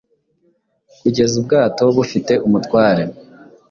kugezaUbwato bufite Umutware